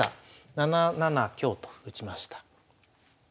７七香と打ちました。